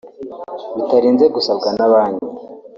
bitarinze gusabwa na banki